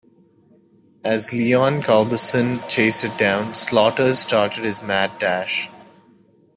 As Leon Culberson chased it down, Slaughter started his "mad dash".